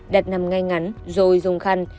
đặt nằm ngay ngắn rồi dùng khăn